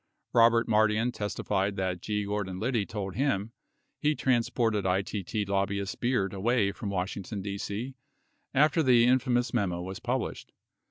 Robert Mardian testified that G. Gordon Liddy told him he transported ITT lobbyist Beard away from Wash ington, D.C., after the infamous memo was published